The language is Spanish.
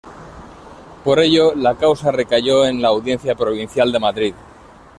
Por ello, la causa recayó en la Audiencia Provincial de Madrid.